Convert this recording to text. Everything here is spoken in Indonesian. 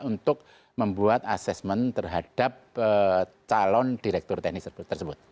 untuk membuat asesmen terhadap calon direktur teknik tersebut